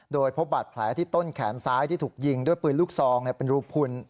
โดยพบบาดแผลที่ต้นแขนซ้ายที่ถูกยิงด้วยปืนลูกซองเป็นรูพุน